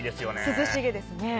涼しげですね。